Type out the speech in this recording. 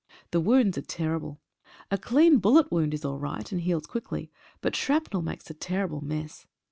The wounds are terrible. A clean bullet wound is all right and heals quickly, but shrapnel makes a terrible mess.